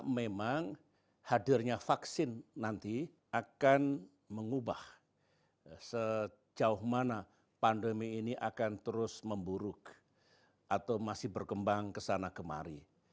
memang hadirnya vaksin nanti akan mengubah sejauh mana pandemi ini akan terus memburuk atau masih berkembang kesana kemari